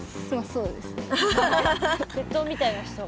そうですね。